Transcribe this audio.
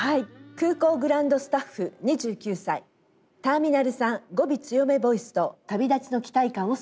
「空港グランドスタッフ２９歳ターミナル産語尾強めボイスと旅立ちの期待感を添えて」。